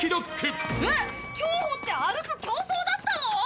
えっ競歩って歩く競争だったの！？